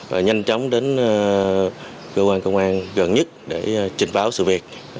và nhanh chóng đến cơ quan công an gần nhất để trình báo sự việc